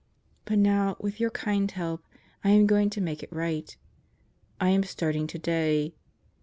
But now, with your kind help, I am going to make it right. I am starting today.